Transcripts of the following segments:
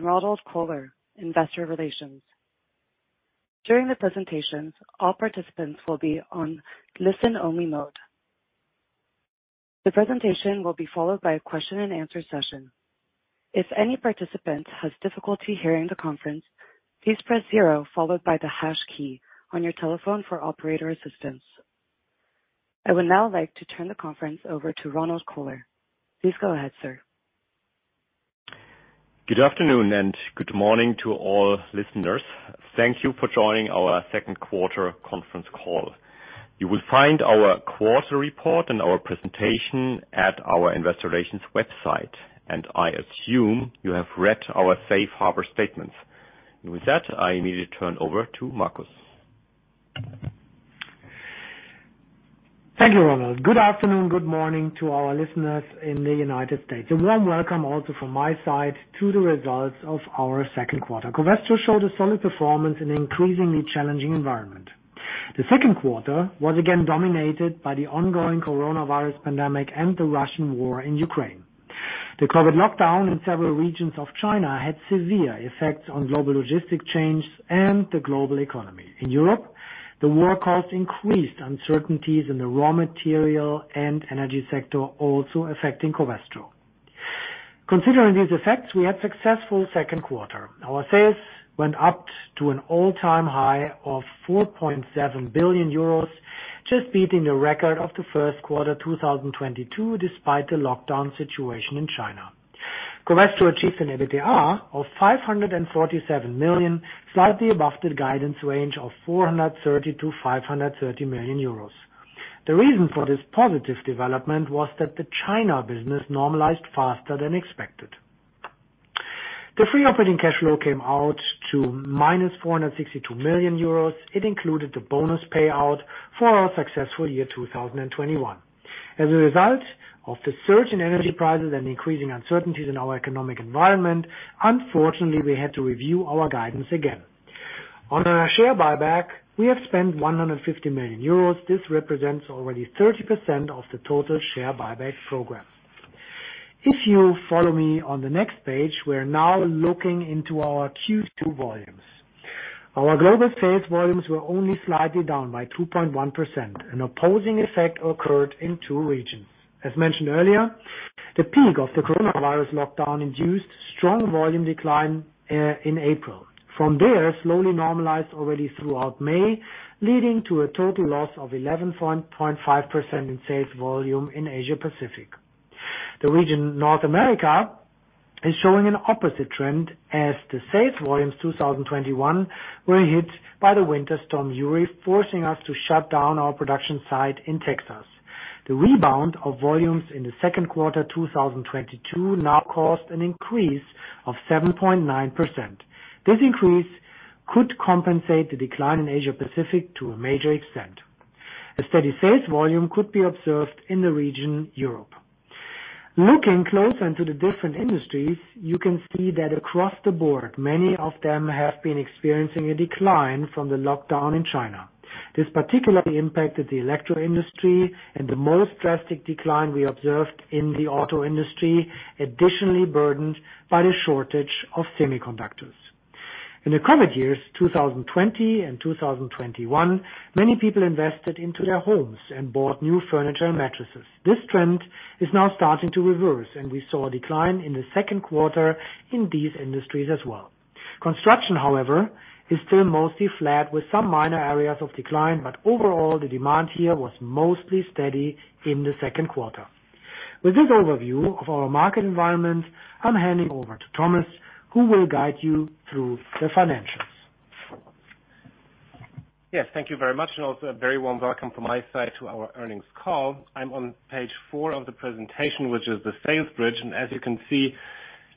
Ronald Köhler, Investor Relations. During the presentations, all participants will be on listen-only mode. The presentation will be followed by a question and answer session. If any participant has difficulty hearing the conference, please press zero followed by the hash key on your telephone for operator assistance. I would now like to turn the conference over to Ronald Köhler. Please go ahead, sir. Good afternoon and good morning to all listeners. Thank you for joining our second quarter conference call. You will find our quarter report and our presentation at our investor relations website. I assume you have read our safe harbor statements. With that, I immediately turn over to Markus. Thank you, Ronald Köhler. Good afternoon, good morning to our listeners in the United States. A warm welcome also from my side to the results of our second quarter. Covestro showed a solid performance in an increasingly challenging environment. The second quarter was again dominated by the ongoing coronavirus pandemic and the Russian war in Ukraine. The COVID lockdown in several regions of China had severe effects on global logistics chains and the global economy. In Europe, the war caused increased uncertainties in the raw material and energy sector, also affecting Covestro. Considering these effects, we had successful second quarter. Our sales went up to an all-time high of 4.7 billion euros, just beating the record of the first quarter 2022, despite the lockdown situation in China. Covestro achieved an EBITDA of 547 million, slightly above the guidance range of 430 million-530 million euros. The reason for this positive development was that the China business normalized faster than expected. The free operating cash flow came out to -462 million euros. It included the bonus payout for our successful year 2021. As a result of the surge in energy prices and increasing uncertainties in our economic environment, unfortunately, we had to review our guidance again. On our share buyback, we have spent 150 million euros. This represents already 30% of the total share buyback program. If you follow me on the next page, we're now looking into our Q2 volumes. Our global sales volumes were only slightly down by 2.1%. An opposing effect occurred in two regions. As mentioned earlier, the peak of the coronavirus lockdown induced strong volume decline in April. From there, slowly normalized already throughout May, leading to a total loss of 11.5% in sales volume in Asia Pacific. The region North America is showing an opposite trend as the sales volumes 2021 were hit by the winter storm Uri, forcing us to shut down our production site in Texas. The rebound of volumes in the second quarter 2022 now caused an increase of 7.9%. This increase could compensate the decline in Asia Pacific to a major extent. A steady sales volume could be observed in the region Europe. Looking closer into the different industries, you can see that across the board, many of them have been experiencing a decline from the lockdown in China. This particularly impacted the electro industry and the most drastic decline we observed in the auto industry, additionally burdened by the shortage of semiconductors. In the COVID years, 2020 and 2021, many people invested into their homes and bought new furniture and mattresses. This trend is now starting to reverse, and we saw a decline in the second quarter in these industries as well. Construction, however, is still mostly flat with some minor areas of decline, but overall, the demand here was mostly steady in the second quarter. With this overview of our market environment, I'm handing over to Thomas, who will guide you through the financials. Yes, thank you very much, and also a very warm welcome from my side to our earnings call. I'm on page four of the presentation, which is the sales bridge, and as you can see,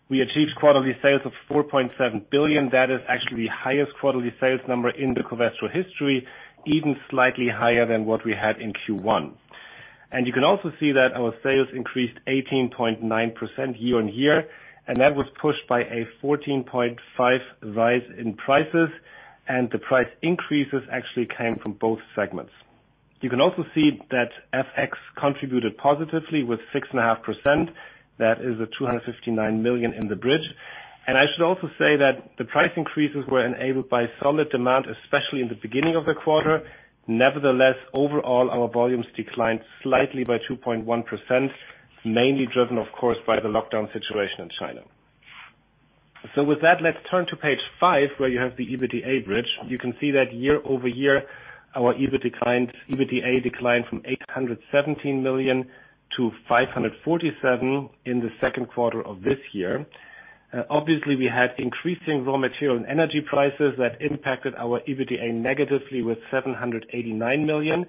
we achieved quarterly sales of 4.7 billion. That is actually the highest quarterly sales number in the Covestro history, even slightly higher than what we had in Q1. You can also see that our sales increased 18.9% year-over-year, and that was pushed by a 14.5% rise in prices, and the price increases actually came from both segments. You can also see that FX contributed positively with 6.5%. That is 259 million in the bridge. I should also say that the price increases were enabled by solid demand, especially in the beginning of the quarter. Nevertheless, overall, our volumes declined slightly by 2.1%, mainly driven, of course, by the lockdown situation in China. With that, let's turn to page five, where you have the EBITDA bridge. You can see that year-over-year, our EBITDA declined from 817 million-547 million in the second quarter of this year. Obviously, we had increasing raw material and energy prices that impacted our EBITDA negatively with 789 million.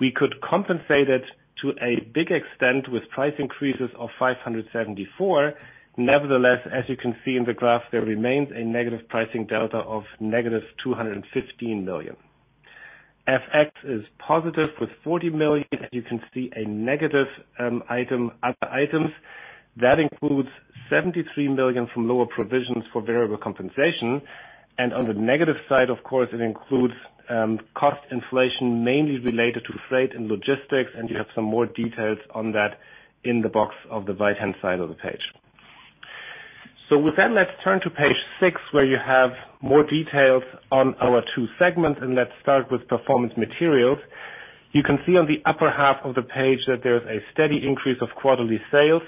We could compensate it to a big extent with price increases of 574 million. Nevertheless, as you can see in the graph, there remains a negative pricing delta of -215 million. FX is positive with 40 million. You can see a negative item, other items. That includes 73 million from lower provisions for variable compensation. On the negative side, of course, it includes cost inflation mainly related to freight and logistics, and you have some more details on that in the box on the right-hand side of the page. With that, let's turn to page six, where you have more details on our two segments, and let's start with Performance Materials. You can see on the upper half of the page that there's a steady increase of quarterly sales,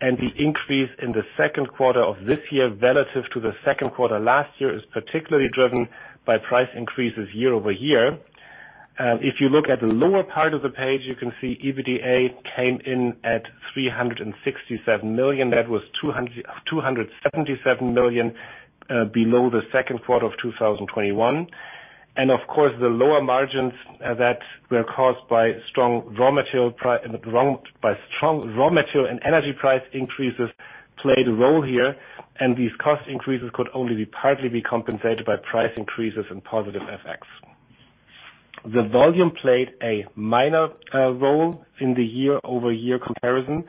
and the increase in the second quarter of this year relative to the second quarter last year is particularly driven by price increases year-over-year. If you look at the lower part of the page, you can see EBITDA came in at 367 million. That was 277 million below the second quarter of 2021. Of course, the lower margins that were caused by strong raw material and energy price increases played a role here, and these cost increases could only partly be compensated by price increases and positive FX. The volume played a minor role in the year-over-year comparison.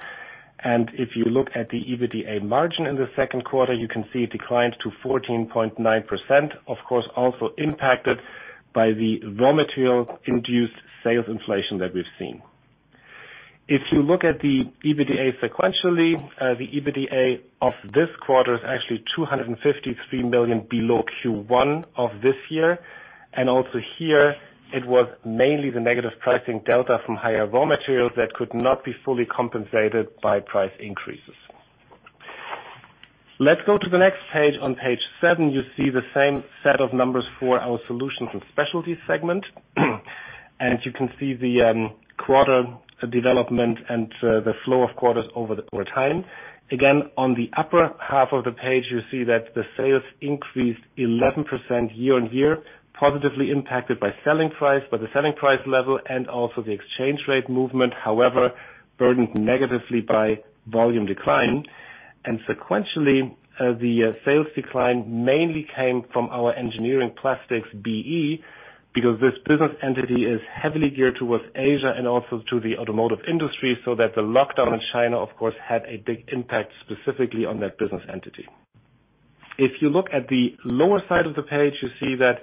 If you look at the EBITDA margin in the second quarter, you can see it declined to 14.9%, of course, also impacted by the raw material induced sales inflation that we've seen. If you look at the EBITDA sequentially, the EBITDA of this quarter is actually 253 million below Q1 of this year. Also here, it was mainly the negative pricing delta from higher raw materials that could not be fully compensated by price increases. Let's go to the next page. On page seven, you see the same set of numbers for our Solutions & Specialties segment. You can see the quarter development and the flow of quarters over time. Again, on the upper half of the page, you see that the sales increased 11% year-on-year, positively impacted by selling price, by the selling price level, and also the exchange rate movement, however, burdened negatively by volume decline. Sequentially, the sales decline mainly came from our engineering plastics BE, because this business entity is heavily geared towards Asia and also to the automotive industry, so that the lockdown in China, of course, had a big impact specifically on that business entity. If you look at the lower side of the page, you see that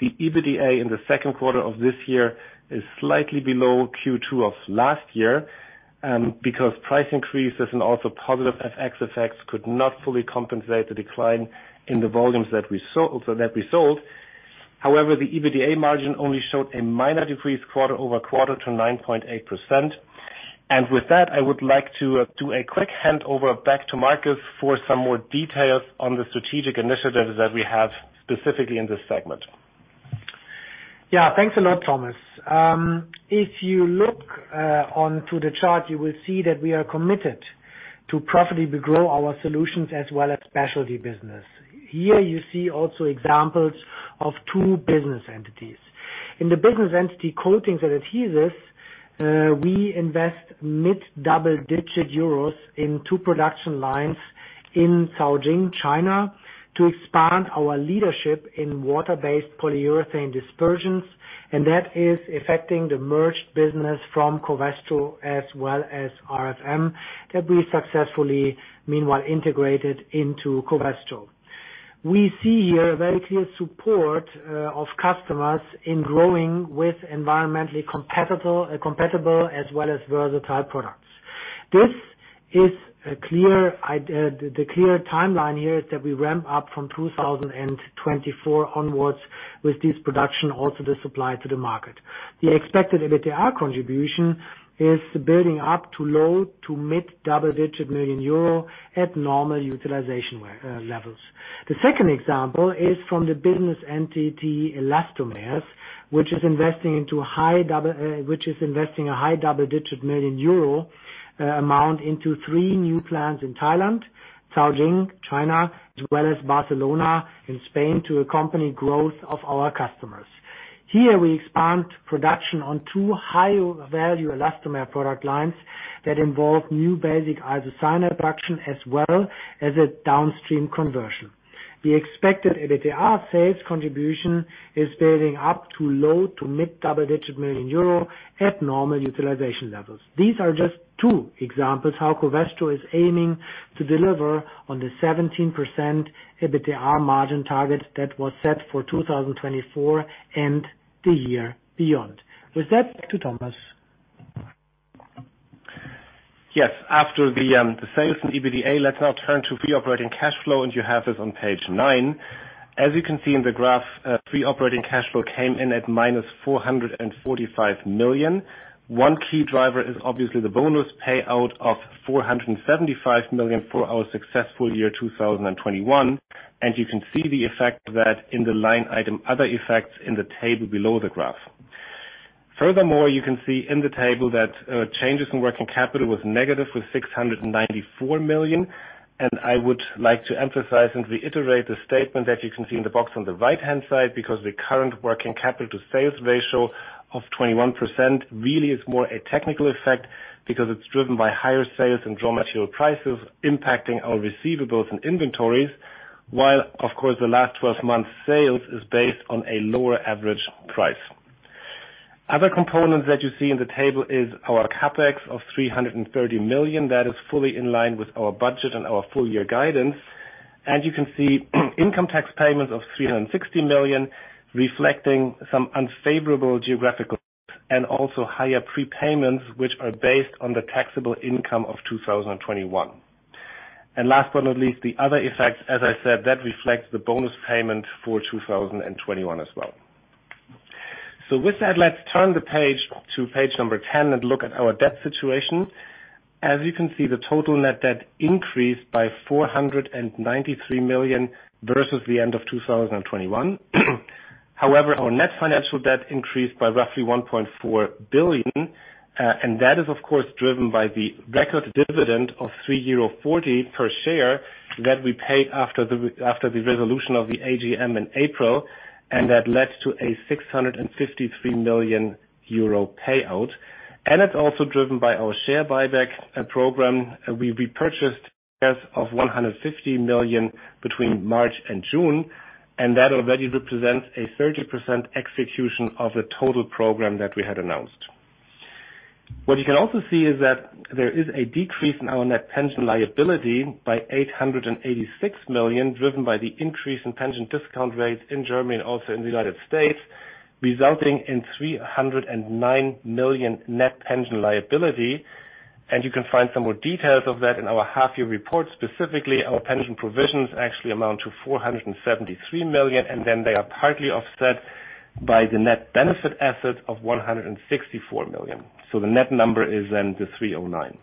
the EBITDA in the second quarter of this year is slightly below Q2 of last year, because price increases and also positive FX effects could not fully compensate the decline in the volumes that we sold. However, the EBITDA margin only showed a minor decrease quarter-over-quarter to 9.8%. With that, I would like to do a quick handover back to Markus for some more details on the strategic initiatives that we have specifically in this segment. Yeah. Thanks a lot, Thomas. If you look onto the chart, you will see that we are committed to profitably grow our Solutions & Specialties business. Here you see also examples of two business entities. In the business entity Coatings and Adhesives, we invest mid double-digit EUR in two production lines in Shanghai, China to expand our leadership in water-based polyurethane dispersions, and that is affecting the merged business from Covestro as well as RFM that we successfully meanwhile integrated into Covestro. We see here a very clear support of customers in growing with environmentally compatible as well as versatile products. This is the clear timeline here is that we ramp up from 2024 onwards with this production, also the supply to the market. The expected EBITDA contribution is building up to low- to mid-double-digit million EUR at normal utilization levels. The second example is from the business entity Elastomers, which is investing a high-double-digit million EUR amount into three new plants in Thailand, Shanghai, China, as well as Barcelona in Spain to accompany growth of our customers. Here we expand production on two high-value elastomer product lines that involve new basic isocyanate production as well as a downstream conversion. The expected EBITDA sales contribution is building up to low- to mid-double-digit million EUR at normal utilization levels. These are just two examples how Covestro is aiming to deliver on the 17% EBITDA margin target that was set for 2024 and the year beyond. With that, back to Thomas. Yes. After the sales and EBITDA, let's now turn to free operating cash flow, and you have this on page nine. As you can see in the graph, free operating cash flow came in at -445 million. One key driver is obviously the bonus payout of 475 million for our successful year 2021, and you can see the effect that in the line item other effects in the table below the graph. Furthermore, you can see in the table that changes in working capital was negative with 694 million. I would like to emphasize and reiterate the statement as you can see in the box on the right-hand side, because the current working capital to sales ratio of 21% really is more a technical effect because it's driven by higher sales and raw material prices impacting our receivables and inventories, while, of course, the last 12 months sales is based on a lower average price. Other components that you see in the table is our CapEx of 330 million. That is fully in line with our budget and our full year guidance. You can see income tax payments of 360 million, reflecting some unfavorable geographical and also higher prepayments, which are based on the taxable income of 2021. Last but not least, the other effects, as I said, that reflects the bonus payment for 2021 as well. With that, let's turn the page to page 10 and look at our debt situation. As you can see, the total net debt increased by 493 million versus the end of 2021. However, our net financial debt increased by roughly 1.4 billion. And that is of course, driven by the record dividend of 3.40 euro per share that we paid after the resolution of the AGM in April. And that led to a 653 million euro payout. It's also driven by our share buyback program. We repurchased shares of 150 million between March and June, and that already represents a 30% execution of the total program that we had announced. What you can also see is that there is a decrease in our net pension liability by 886 million, driven by the increase in pension discount rates in Germany and also in the United States, resulting in 309 million net pension liability. You can find some more details of that in our half year report, specifically our pension provisions actually amount to 473 million, and then they are partly offset by the net benefit assets of 164 million. The net number is then the 309.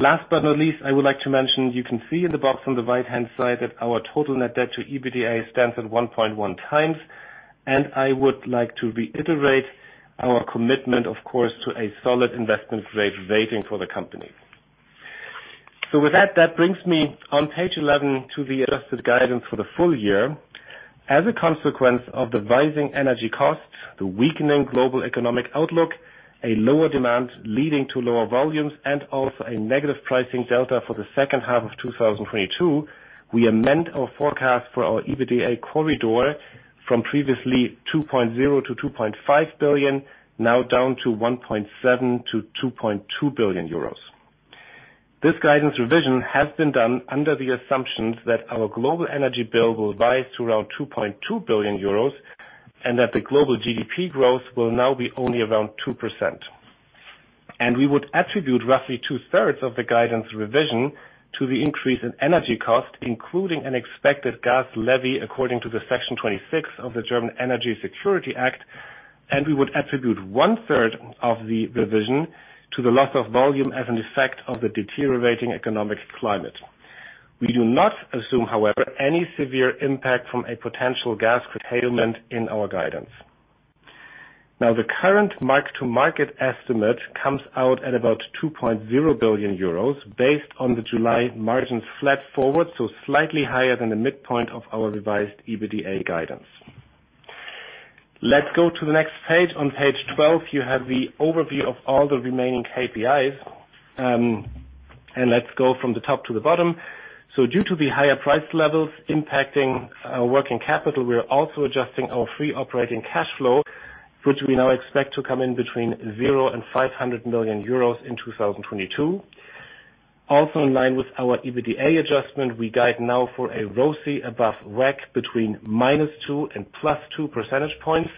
Last but not least, I would like to mention you can see in the box on the right-hand side that our total net debt to EBITDA stands at 1.1x. I would like to reiterate our commitment, of course, to a solid investment grade rating for the company. With that brings me on page 11 to the adjusted guidance for the full year. As a consequence of the rising energy costs, the weakening global economic outlook, a lower demand leading to lower volumes, and also a negative pricing delta for the second half of 2022, we amend our forecast for our EBITDA corridor from previously 2.0 billion-2.5 billion, now down to 1.7 billion-2.2 billion euros. This guidance revision has been done under the assumptions that our global energy bill will rise to around 2.2 billion euros, and that the global GDP growth will now be only around 2%. We would attribute roughly two-thirds of the guidance revision to the increase in energy cost, including an expected gas levy, according to Section 26 of the German Energy Security Act. We would attribute 1/3 of the revision to the loss of volume as an effect of the deteriorating economic climate. We do not assume, however, any severe impact from a potential gas curtailment in our guidance. Now, the current mark to market estimate comes out at about 2.0 billion euros based on the July margin flat forward, so slightly higher than the midpoint of our revised EBITDA guidance. Let's go to the next page. On page 12, you have the overview of all the remaining KPIs. Let's go from the top to the bottom. Due to the higher price levels impacting working capital, we are also adjusting our free operating cash flow, which we now expect to come in between 0 and 500 million euros in 2022. Also in line with our EBITDA adjustment, we guide now for a ROCE above WACC between -2 and +2 percentage points.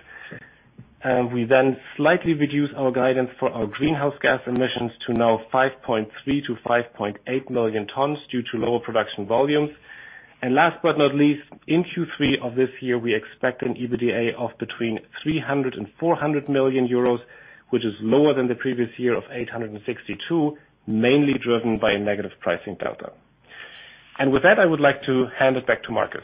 We slightly reduce our guidance for our greenhouse gas emissions to now 5.3 million-5.8 million tons due to lower production volumes. Last but not least, in Q3 of this year, we expect an EBITDA of between 300 million euros and 400 million euros, which is lower than the previous year of 862 million, mainly driven by a negative pricing delta. With that, I would like to hand it back to Markus.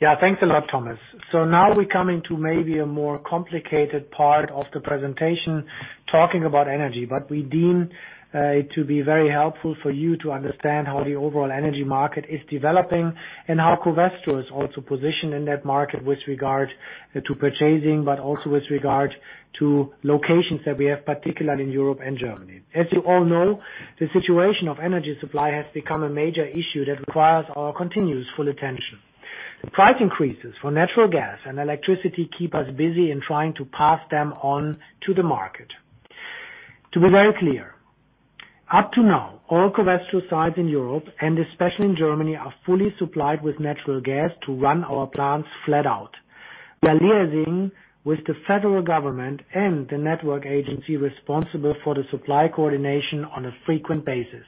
Yeah. Thanks a lot, Thomas. Now we come into maybe a more complicated part of the presentation, talking about energy, but we deem it to be very helpful for you to understand how the overall energy market is developing and how Covestro is also positioned in that market with regard to purchasing, but also with regard to locations that we have, particularly in Europe and Germany. As you all know, the situation of energy supply has become a major issue that requires our continuous full attention. The price increases for natural gas and electricity keep us busy in trying to pass them on to the market. To be very clear, up to now, all Covestro sites in Europe, and especially in Germany, are fully supplied with natural gas to run our plants flat out. We are liaising with the federal government and the Federal Network Agency responsible for the supply coordination on a frequent basis.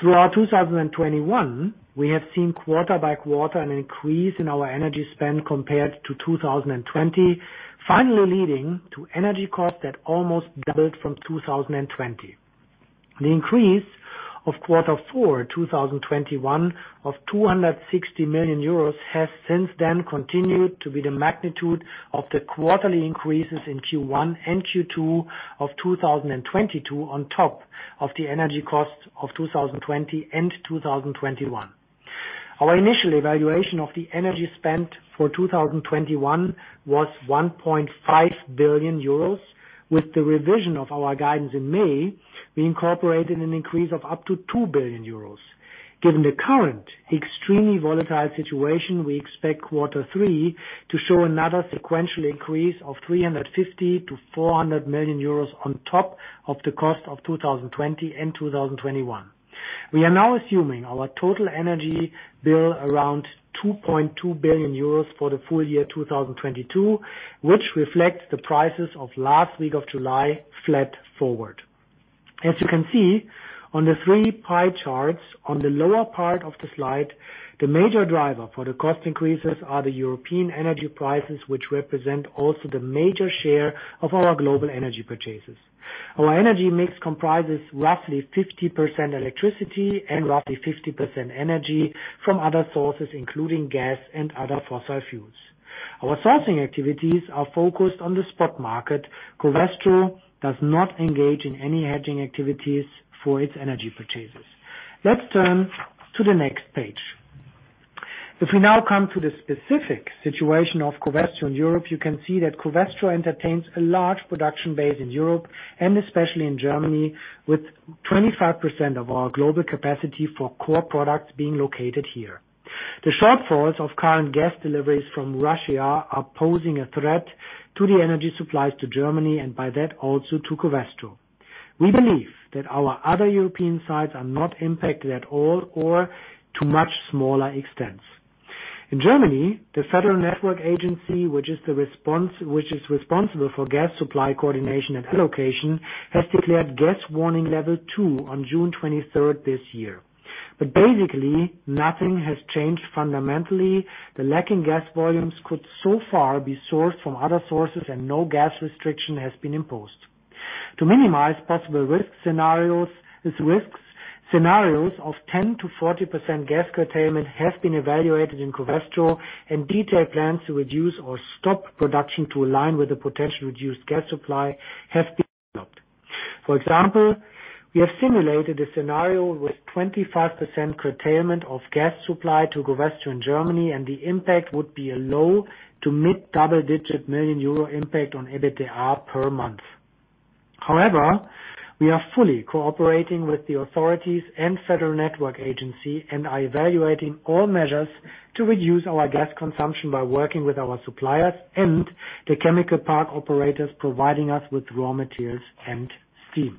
Throughout 2021, we have seen quarter by quarter an increase in our energy spend compared to 2020, finally leading to energy costs that almost doubled from 2020. The increase of Q4 2021 of 260 million euros has since then continued to be the magnitude of the quarterly increases in Q1 and Q2 of 2022 on top of the energy costs of 2020 and 2021. Our initial evaluation of the energy spent for 2021 was 1.5 billion euros. With the revision of our guidance in May, we incorporated an increase of up to 2 billion euros. Given the current extremely volatile situation, we expect quarter three to show another sequential increase of 350 million-400 million euros on top of the cost of 2020 and 2021. We are now assuming our total energy bill around 2.2 billion euros for the full year 2022, which reflects the prices of last week of July flat forward. As you can see on the three pie charts on the lower part of the slide, the major driver for the cost increases are the European energy prices, which represent also the major share of our global energy purchases. Our energy mix comprises roughly 50% electricity and roughly 50% energy from other sources, including gas and other fossil fuels. Our sourcing activities are focused on the spot market. Covestro does not engage in any hedging activities for its energy purchases. Let's turn to the next page. If we now come to the specific situation of Covestro in Europe, you can see that Covestro entertains a large production base in Europe and especially in Germany, with 25% of our global capacity for core products being located here. The shortfalls of current gas deliveries from Russia are posing a threat to the energy supplies to Germany, and by that also to Covestro. We believe that our other European sites are not impacted at all or to much smaller extents. In Germany, the Federal Network Agency, which is responsible for gas supply coordination and allocation, has declared gas warning level two on June 23rd this year. Basically, nothing has changed fundamentally. The lacking gas volumes could so far be sourced from other sources, and no gas restriction has been imposed. To minimize possible risk scenarios, risk scenarios of 10%-40% gas curtailment have been evaluated in Covestro, and detailed plans to reduce or stop production to align with the potential reduced gas supply have been developed. For example, we have simulated a scenario with 25% curtailment of gas supply to Covestro in Germany, and the impact would be a low- to mid-double-digit million euro impact on EBITDA per month. However, we are fully cooperating with the authorities and Federal Network Agency and are evaluating all measures to reduce our gas consumption by working with our suppliers and the chemical park operators providing us with raw materials and steam.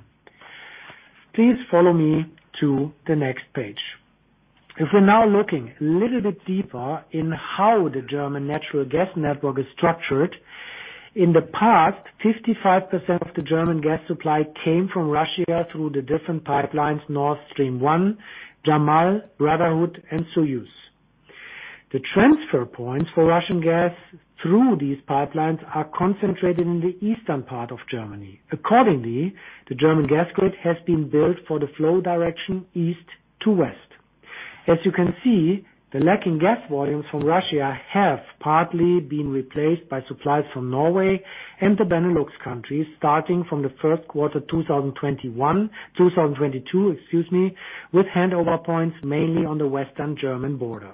Please follow me to the next page. If we're now looking a little bit deeper in how the German natural gas network is structured. In the past, 55% of the German gas supply came from Russia through the different pipelines, Nord Stream 1, Yamal, Brotherhood and Soyuz. The transfer points for Russian gas through these pipelines are concentrated in the eastern part of Germany. Accordingly, the German gas grid has been built for the flow direction east to west. As you can see, the lacking gas volumes from Russia have partly been replaced by supplies from Norway and the Benelux countries starting from the first quarter 2021, 2022, excuse me, with handover points mainly on the western German border.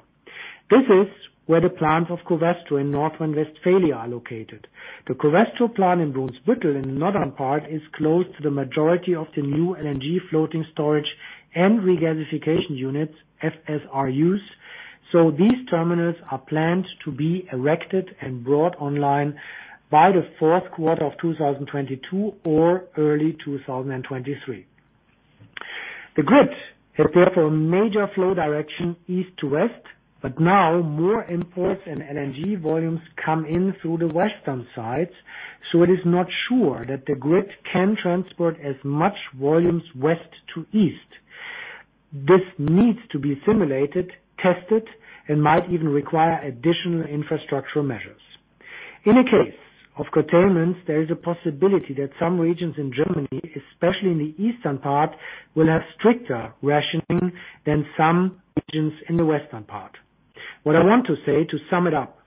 This is where the plants of Covestro in North Rhine-Westphalia are located. The Covestro plant in Brunsbüttel in the northern part is close to the majority of the new LNG floating storage and regasification units, FSRUs. These terminals are planned to be erected and brought online by the fourth quarter of 2022 or early 2023. The grid has therefore a major flow direction east to west, but now more imports and LNG volumes come in through the western sides, so it is not sure that the grid can transport as much volumes west to east. This needs to be simulated, tested, and might even require additional infrastructural measures. In the case of curtailments, there is a possibility that some regions in Germany, especially in the eastern part, will have stricter rationing than some regions in the western part. What I want to say to sum it up,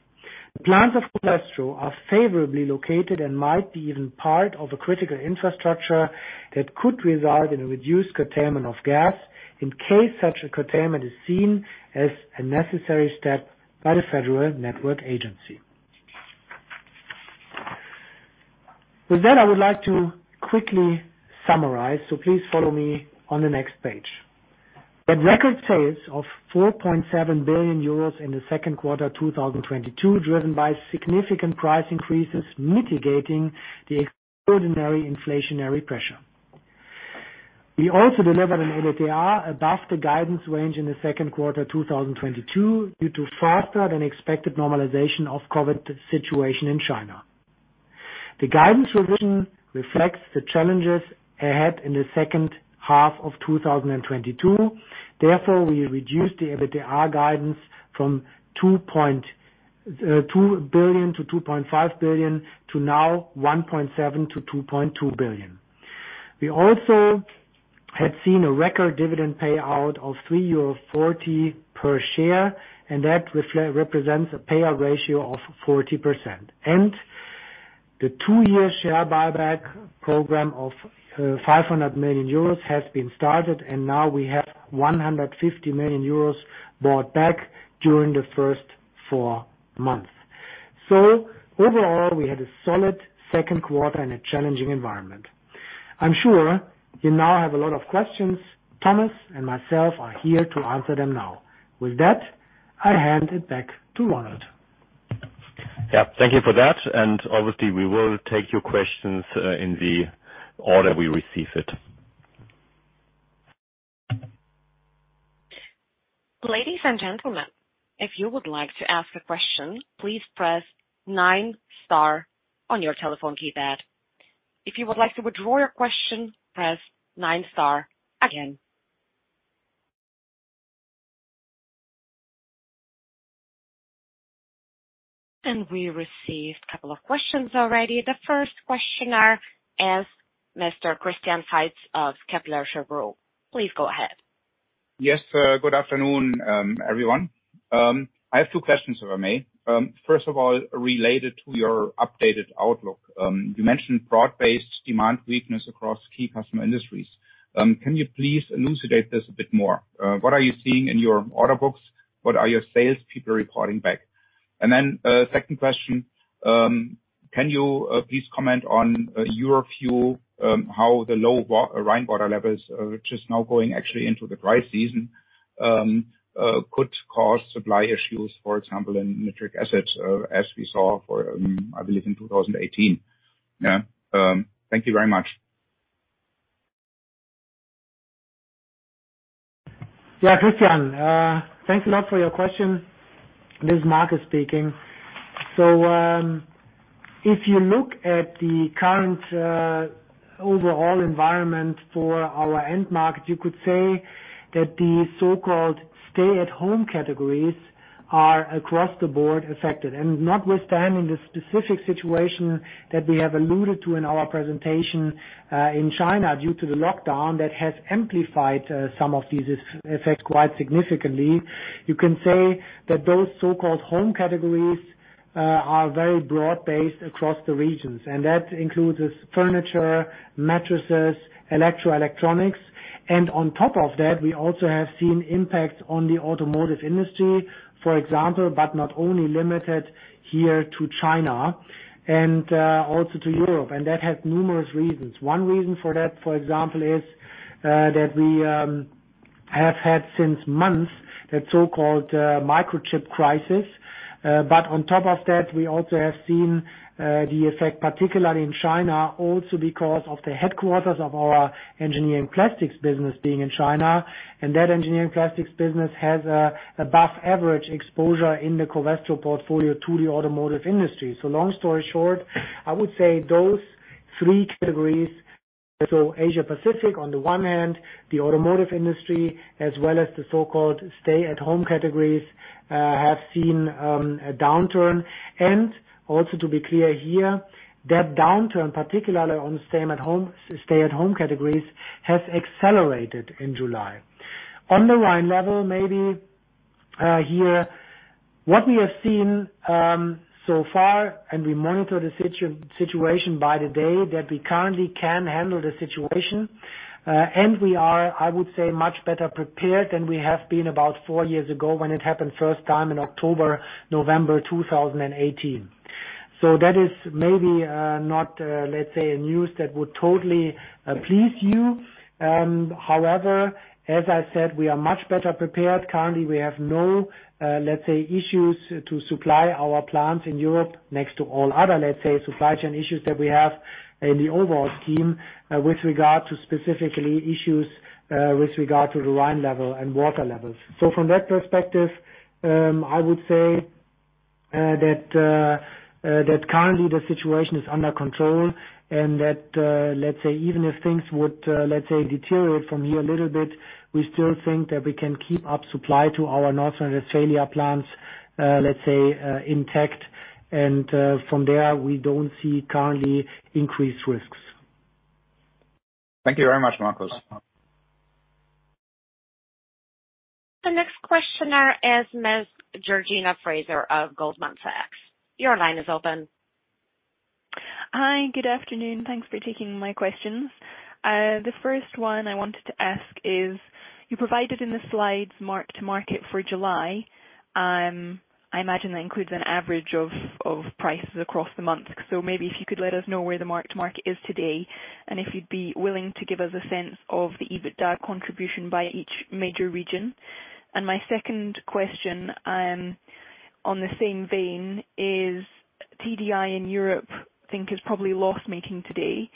the plants of Covestro are favorably located and might be even part of a critical infrastructure that could result in a reduced curtailment of gas in case such a curtailment is seen as a necessary step by the Federal Network Agency. With that, I would like to quickly summarize, so please follow me on the next page. At record sales of 4.7 billion euros in the second quarter of 2022, driven by significant price increases mitigating the extraordinary inflationary pressure. We also delivered an EBITDA above the guidance range in the second quarter 2022 due to faster than expected normalization of COVID situation in China. The guidance revision reflects the challenges ahead in the second half of 2022. Therefore, we reduced the EBITDA guidance from 2.2 billion to 2.5 billion to now 1.7 billion-2.2 billion. We also have seen a record dividend payout of 3.40 euro per share, and that represents a payout ratio of 40%. The two-year share buyback program of 500 million euros has been started, and now we have 150 million euros bought back during the first four months. Overall, we had a solid second quarter in a challenging environment. I'm sure you now have a lot of questions. Thomas and myself are here to answer them now. With that, I hand it back to Ronald. Yeah. Thank you for that, and obviously, we will take your questions in the order we receive it. Ladies and gentlemen, if you would like to ask a question, please press nine star on your telephone keypad. If you would like to withdraw your question, press nine star again. We received a couple of questions already. The first questioner is Mr. Christian Faitz of Kepler Cheuvreux. Please go ahead. Yes. Good afternoon, everyone. I have two questions, if I may. First of all, related to your updated outlook. You mentioned broad-based demand weakness across key customer industries. Can you please elucidate this a bit more? What are you seeing in your order books? What are your salespeople reporting back? Second question, can you please comment on your view, how the low Rhine water levels, which is now going actually into the dry season, could cause supply issues, for example, in MDI assets, as we saw for, I believe, in 2018. Yeah. Thank you very much. Yeah. Christian, thanks a lot for your question. This is Markus speaking. If you look at the current overall environment for our end market, you could say that the so-called stay-at-home categories are across the board affected. Notwithstanding the specific situation that we have alluded to in our presentation in China due to the lockdown that has amplified some of these effects quite significantly, you can say that those so-called home categories are very broad-based across the regions, and that includes furniture, mattresses, electronics. On top of that, we also have seen impacts on the automotive industry, for example, but not only limited here to China and also to Europe. That has numerous reasons. One reason for that, for example, is that we have had since months the so-called microchip crisis. on top of that, we also have seen the effect, particularly in China, also because of the headquarters of our Engineering Plastics business being in China. That Engineering Plastics business has an above-average exposure in the Covestro portfolio to the automotive industry. long story short, I would say those three categories, so Asia Pacific on the one hand, the automotive industry, as well as the so-called stay-at-home categories, have seen a downturn. also to be clear here, that downturn, particularly on stay-at-home categories, has accelerated in July. On the Rhine level, maybe here what we have seen so far, and we monitor the situation by the day, that we currently can handle the situation. We are much better prepared than we have been about four years ago when it happened first time in October, November 2018. That is maybe not let's say news that would totally please you. However, as I said, we are much better prepared. Currently, we have no let's say issues to supply our plants in Europe next to all other let's say supply chain issues that we have in the overall scheme with regard to specific issues with regard to the Rhine level and water levels. From that perspective, I would say that currently the situation is under control and that, let's say, even if things would, let's say, deteriorate from here a little bit, we still think that we can keep up supply to our North Rhine-Westphalia plants, let's say, intact. From there, we don't see currently increased risks. Thank you very much, Markus. The next questioner is Ms. Georgina Fraser of Goldman Sachs. Your line is open. Hi. Good afternoon. Thanks for taking my questions. The first one I wanted to ask is, you provided in the slides mark-to-market for July. I imagine that includes an average of prices across the month. Maybe if you could let us know where the mark-to-market is today, and if you'd be willing to give us a sense of the EBITDA contribution by each major region. My second question, in the same vein is TDI in Europe, I think is probably loss-making today.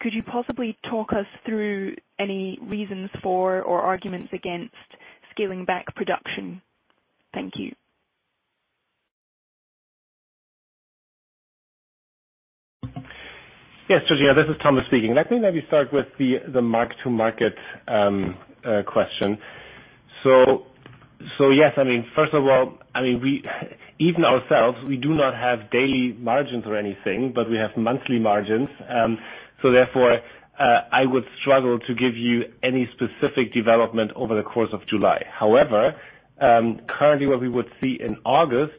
Could you possibly talk us through any reasons for or arguments against scaling back production? Thank you. Yes, Georgina, this is Thomas speaking. Let me maybe start with the mark-to-market question. Yes, I mean, first of all, we even ourselves, we do not have daily margins or anything, but we have monthly margins. So therefore, I would struggle to give you any specific development over the course of July. However, currently what we would see in August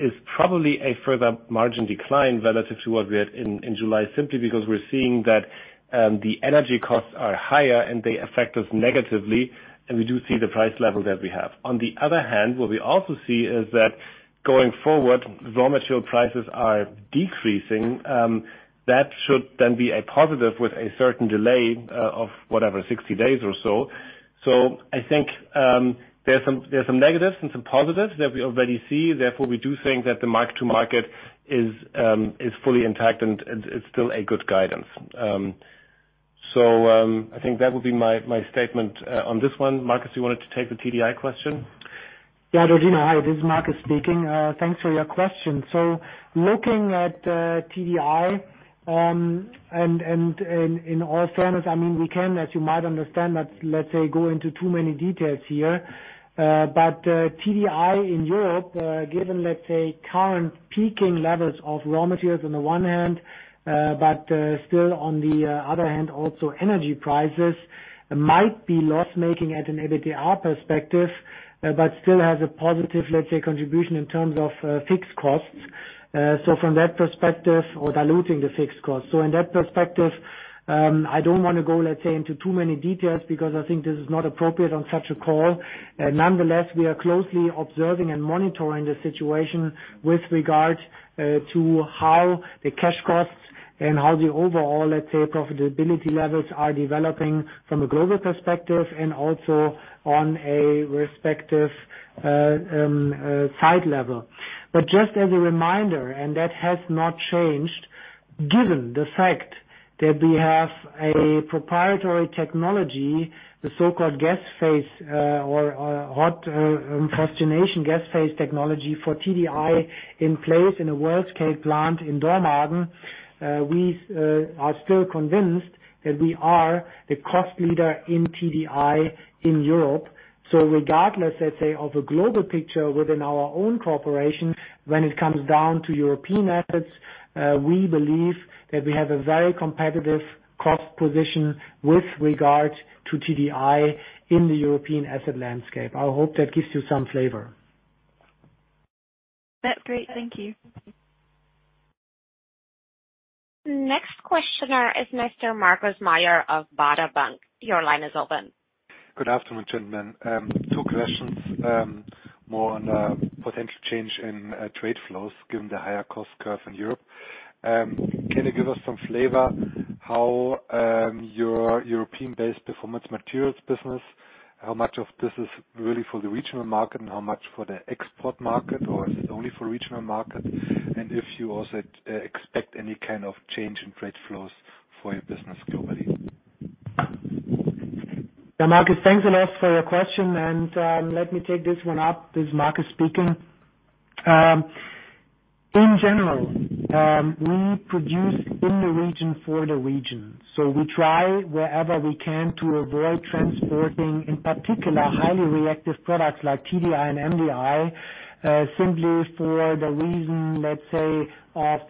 is probably a further margin decline relative to what we had in July, simply because we're seeing that the energy costs are higher and they affect us negatively, and we do see the price level that we have. On the other hand, what we also see is that going forward, raw material prices are decreasing. That should then be a positive with a certain delay of whatever, 60 days or so. I think there's some negatives and some positives that we already see. Therefore, we do think that the mark to market is fully intact and it's still a good guidance. I think that would be my statement on this one. Markus, you wanted to take the TDI question? Georgina. Hi, this is Markus speaking. Thanks for your question. Looking at TDI, and in all fairness, I mean, we can, as you might understand, not let's say go into too many details here. TDI in Europe, given let's say current peaking levels of raw materials on the one hand, but still on the other hand, also energy prices might be loss-making at an EBITDA perspective, but still has a positive let's say contribution in terms of fixed costs. From that perspective or diluting the fixed costs. In that perspective, I don't wanna go let's say into too many details because I think this is not appropriate on such a call. Nonetheless, we are closely observing and monitoring the situation with regard to how the cash costs and how the overall, let's say, profitability levels are developing from a global perspective and also on a respective site level. Just as a reminder, and that has not changed, given the fact that we have a proprietary technology, the so-called gas phase phosgenation technology for TDI in place in a world-scale plant in Dormagen. We are still convinced that we are the cost leader in TDI in Europe. Regardless, let's say, of a global picture within our own corporation, when it comes down to European assets, we believe that we have a very competitive cost position with regard to TDI in the European asset landscape. I hope that gives you some flavor. That's great. Thank you. Next questioner is Mr. Markus Mayer of Baader Bank. Your line is open. Good afternoon, gentlemen. Two questions, more on the potential change in trade flows given the higher cost curve in Europe. Can you give us some flavor how your European-based Performance Materials business, how much of this is really for the regional market and how much for the export market, or is it only for regional market? If you also expect any kind of change in trade flows for your business globally? Yeah, Markus, thanks a lot for your question. Let me take this one up. This is Markus speaking. In general, we produce in the region for the region. We try wherever we can to avoid transporting, in particular, highly reactive products like TDI and MDI, simply for the reason, let's say, of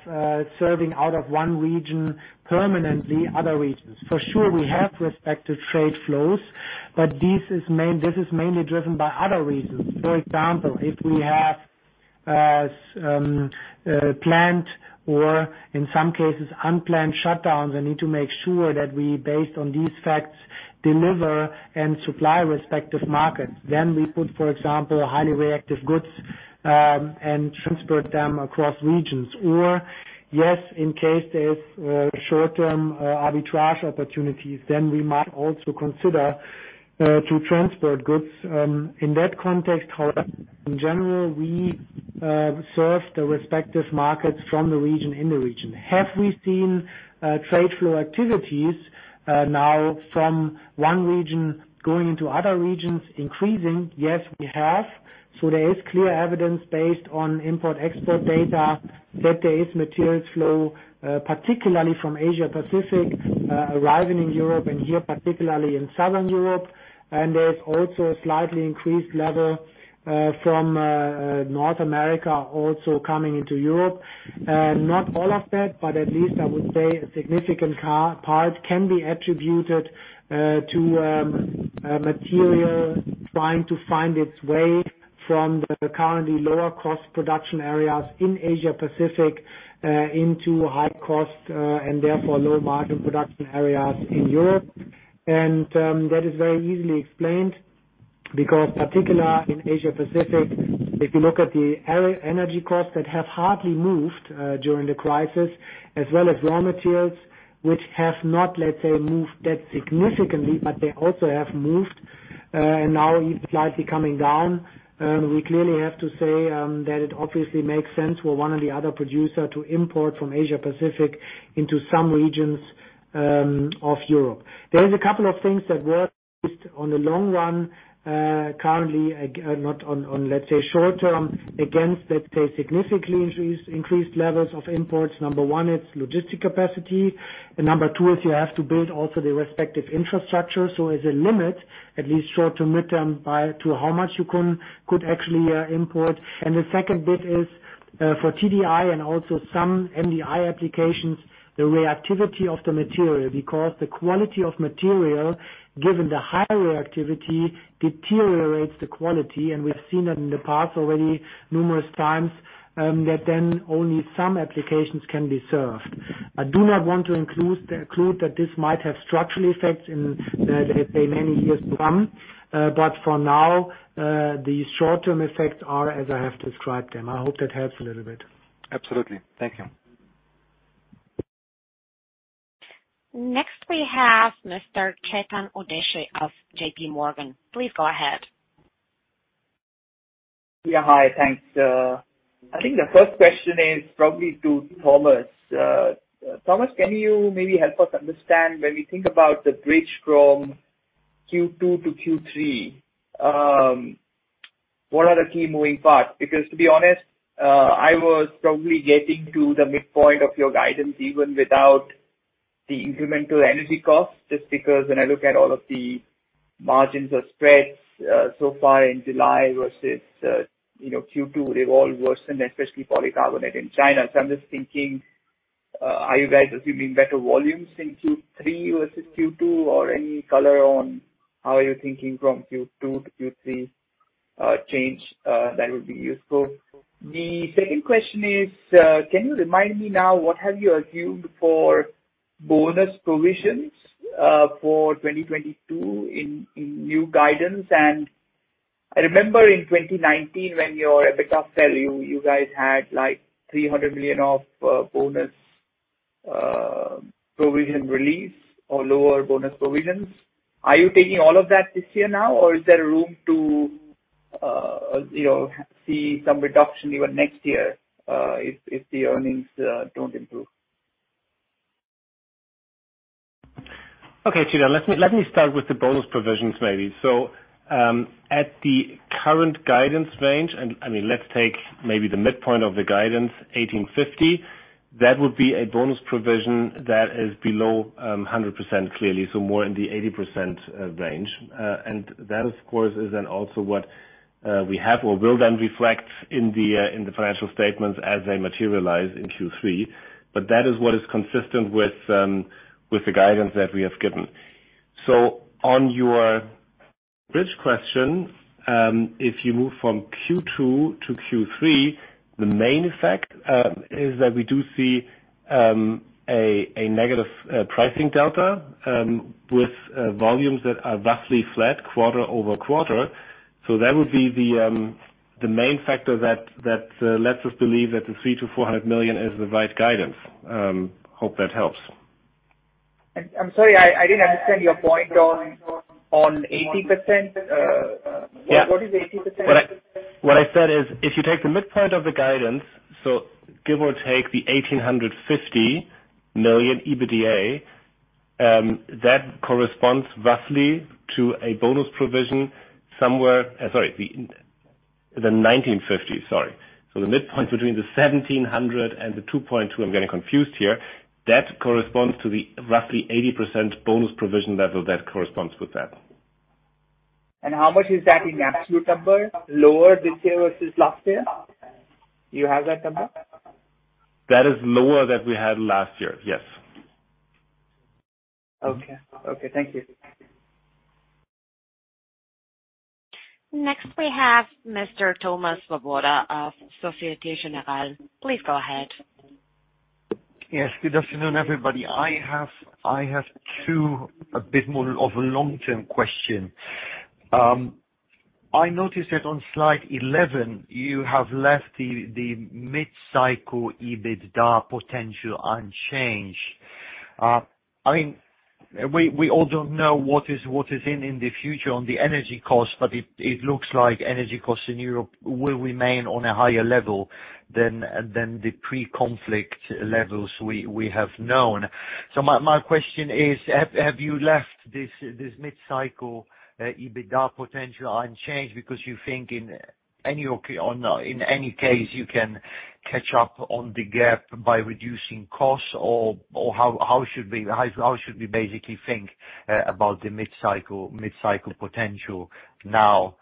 serving out of one region permanently other regions. For sure, we have respective trade flows, but this is mainly driven by other reasons. For example, if we have planned or in some cases unplanned shutdowns, I need to make sure that we, based on these facts, deliver and supply respective markets. We put, for example, highly reactive goods and transport them across regions. Yes, in case there's short-term arbitrage opportunities, then we might also consider to transport goods in that context. However, in general, we serve the respective markets from the region in the region. Have we seen trade flow activities now from one region going into other regions increasing? Yes, we have. There is clear evidence based on import/export data that there is materials flow particularly from Asia Pacific arriving in Europe and here, particularly in Southern Europe. There's also a slightly increased level from North America also coming into Europe. Not all of that, but at least I would say a significant part can be attributed to material trying to find its way from the currently lower cost production areas in Asia Pacific into high cost and therefore low margin production areas in Europe. That is very easily explained because particularly in Asia Pacific, if you look at the energy costs that have hardly moved during the crisis, as well as raw materials, which have not, let's say, moved that significantly, but they also have moved and now slightly coming down, we clearly have to say that it obviously makes sense for one or the other producer to import from Asia Pacific into some regions of Europe. There is a couple of things that work at least on the long run, currently, not on, let's say, short term against that, say, significantly increased levels of imports. Number one, it's logistic capacity. Number two is you have to build also the respective infrastructure. As a limit, at least short to midterm, by to how much you can, could actually, import. The second bit is, for TDI and also some MDI applications, the reactivity of the material because the quality of material, given the high reactivity, deteriorates the quality. We've seen that in the past already numerous times, that then only some applications can be served. I do not want to include that this might have structural effects in, let's say, many years to come. For now, the short-term effects are as I have described them. I hope that helps a little bit. Absolutely. Thank you. Next we have Mr. Chetan Udeshi of JPMorgan. Please go ahead. Yeah, hi. Thanks. I think the first question is probably to Thomas. Thomas, can you maybe help us understand when we think about the bridge from Q2 to Q3, what are the key moving parts? Because to be honest, I was probably getting to the midpoint of your guidance even without the incremental energy costs. Just because when I look at all of the margins or spreads, so far in July versus, you know, Q2, they've all worsened, especially polycarbonate in China. So I'm just thinking, are you guys assuming better volumes in Q3 versus Q2? Or any color on how you're thinking from Q2 to Q3 change that would be useful. The second question is, can you remind me now, what have you assumed for bonus provisions, for 2022 in new guidance? I remember in 2019 when your EBITDA fell, you guys had, like, 300 million of bonus provision release or lower bonus provisions. Are you taking all of that this year now, or is there room to, you know, see some reduction even next year, if the earnings don't improve? Okay, Chetan, let me start with the bonus provisions maybe. At the current guidance range, I mean, let's take maybe the midpoint of the guidance, 1,850. That would be a bonus provision that is below 100% clearly, so more in the 80% range. That of course is then also what we have or will then reflect in the financial statements as they materialize in Q3. That is what is consistent with the guidance that we have given. On your bridge question, if you move from Q2 to Q3, the main effect is that we do see a negative pricing delta with volumes that are vastly flat quarter-over-quarter. That would be the main factor that lets us believe that the 300 million-400 million is the right guidance. Hope that helps. I'm sorry, I didn't understand your point on 80%. Yeah. What is 80%? What I said is if you take the midpoint of the guidance, give or take 1,850 million EBITDA, that corresponds basically to a bonus provision somewhere. Sorry, the 1,950. The midpoint between the 1,700 and the 2.2, I'm getting confused here. That corresponds to the roughly 80% bonus provision level that corresponds with that. How much is that in absolute number lower this year versus last year? Do you have that number? That is lower than we had last year. Yes. Okay, thank you. Next we have Mr. Thomas Svoboda of Société Générale. Please go ahead. Yes, good afternoon, everybody. I have two a bit more of a long-term question. I noticed that on slide 11 you have left the mid-cycle EBITDA potential unchanged. I mean, we all don't know what is in the future on the energy costs, but it looks like energy costs in Europe will remain on a higher level than the pre-conflict levels we have known. My question is have you left this mid-cycle EBITDA potential unchanged because you think in any case you can catch up on the gap by reducing costs? Or how should we basically think about the mid-cycle potential now?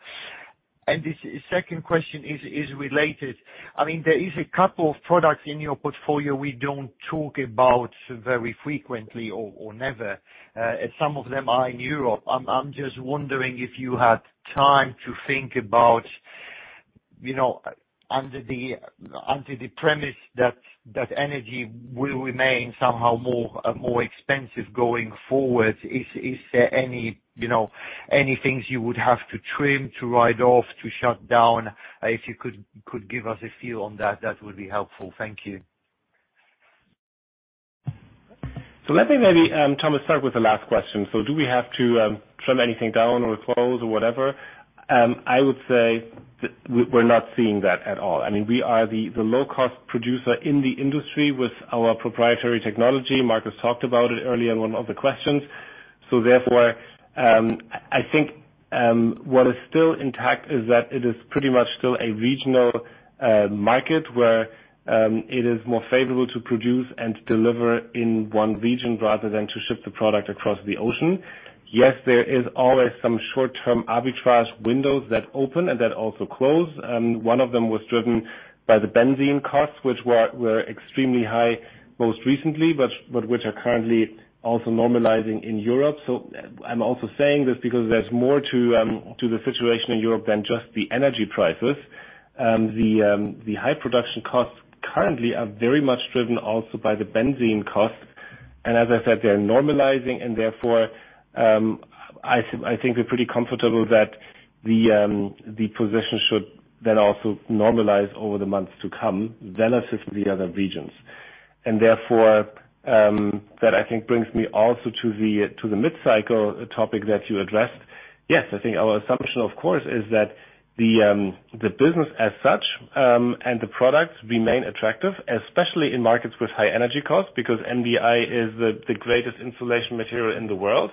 The second question is related. I mean, there is a couple of products in your portfolio we don't talk about very frequently or never, and some of them are in Europe. I'm just wondering if you had time to think about, you know, under the premise that energy will remain somehow more expensive going forward, is there any, you know, any things you would have to trim, to write off, to shut down? If you could give us a feel on that would be helpful. Thank you. Let me maybe, Thomas, start with the last question. Do we have to trim anything down or close or whatever? I would say. We're not seeing that at all. I mean, we are the low-cost producer in the industry with our proprietary technology. Markus talked about it earlier in one of the questions. Therefore, I think, what is still intact is that it is pretty much still a regional market where it is more favorable to produce and deliver in one region rather than to ship the product across the ocean. Yes, there is always some short-term arbitrage windows that open and that also close. One of them was driven by the benzene costs, which were extremely high most recently, but which are currently also normalizing in Europe. I'm also saying this because there's more to the situation in Europe than just the energy prices. The high production costs currently are very much driven also by the benzene costs. As I said, they're normalizing and therefore, I think we're pretty comfortable that the position should then also normalize over the months to come then assist the other regions. Therefore, that I think brings me also to the mid-cycle topic that you addressed. Yes. I think our assumption, of course, is that the business as such and the products remain attractive, especially in markets with high energy costs, because MDI is the greatest insulation material in the world.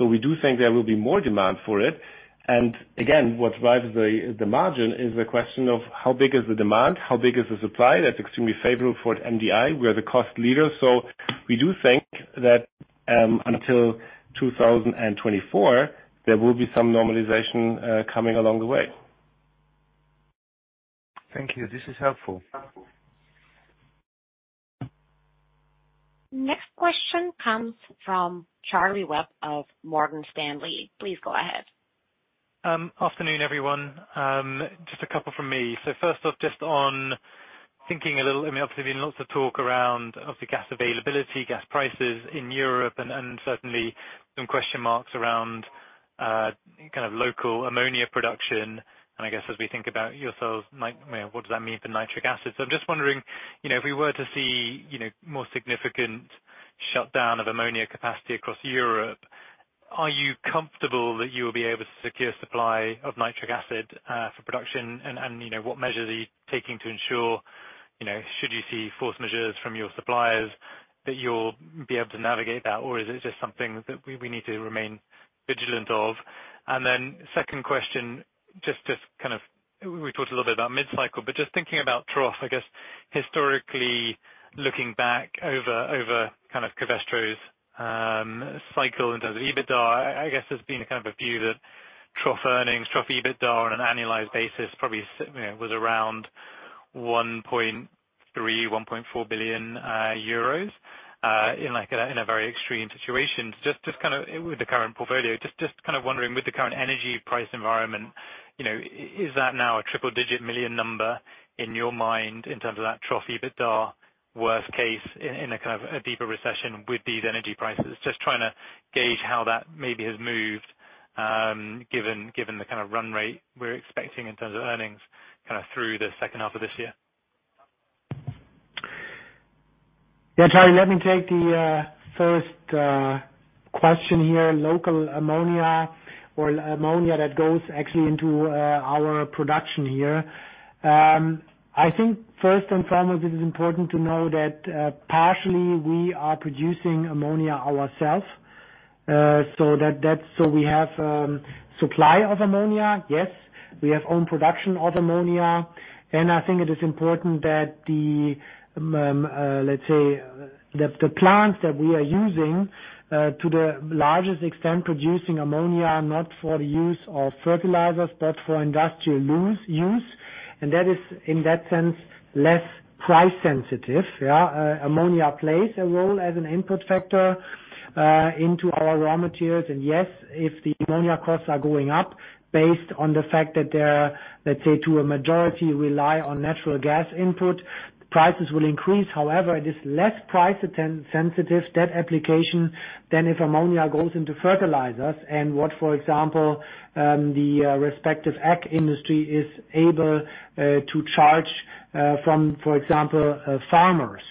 We do think there will be more demand for it. Again, what drives the margin is the question of how big is the demand, how big is the supply? That's extremely favorable for MDI. We are the cost leader. We do think that until 2024, there will be some normalization coming along the way. Thank you. This is helpful. Next question comes from Charlie Webb of Morgan Stanley. Please go ahead. Afternoon, everyone. Just a couple from me. First off, just on thinking a little, I mean, obviously been lots of talk around of the gas availability, gas prices in Europe and certainly some question marks around kind of local ammonia production. I guess as we think about yourself, like, you know, what does that mean for nitric acid? I'm just wondering, you know, if we were to see more significant shutdown of ammonia capacity across Europe, are you comfortable that you will be able to secure supply of nitric acid for production? You know, what measures are you taking to ensure, you know, should you see force majeures from your suppliers that you'll be able to navigate that? Is it just something that we need to remain vigilant of? Second question, just kind of. We talked a little bit about mid-cycle, but just thinking about trough, I guess historically looking back over kind of Covestro's cycle in terms of EBITDA, I guess there's been a kind of a view that trough earnings, trough EBITDA on an annualized basis probably was around 1.3 billion euros, 1.4 billion euros in a very extreme situation. Just kinda with the current portfolio, just kind of wondering with the current energy price environment, you know, is that now a triple-digit million number in your mind in terms of that trough EBITDA worst case in a kind of a deeper recession with these energy prices? Just trying to gauge how that maybe has moved, given the kind of run rate we're expecting in terms of earnings kind of through the second half of this year. Yeah. Charlie, let me take the first question here, local ammonia or ammonia that goes actually into our production here. I think first and foremost, it is important to know that partially we are producing ammonia ourselves, so we have supply of ammonia, yes. We have own production of ammonia. I think it is important that the, let's say, the plants that we are using to the largest extent producing ammonia, not for the use of fertilizers but for industrial use, and that is in that sense less price sensitive. Ammonia plays a role as an input factor into our raw materials. Yes, if the ammonia costs are going up based on the fact that they're, let's say, to a majority rely on natural gas input, prices will increase. However, it is less price sensitive, that application, than if ammonia goes into fertilizers and what, for example, the respective ag industry is able to charge from, for example, farmers.